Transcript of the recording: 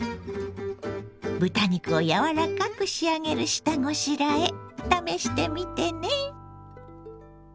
豚肉を柔らかく仕上げる下ごしらえ試してみてね。